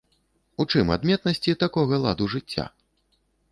У чым адметнасці такога ладу жыцця?